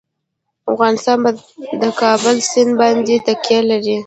افغانستان په د کابل سیند باندې تکیه لري.